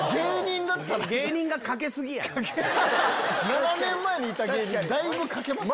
７年前にいた芸人だいぶ欠けますよ。